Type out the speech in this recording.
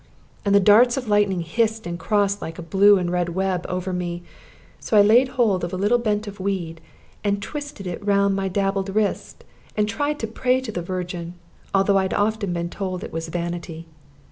And the darts of lightning hissed and crossed like a blue and red web over me. So I laid hold of a little bent of weed, and twisted it round my dabbled wrist, and tried to pray to the Virgin, although I had often been told it was vanity.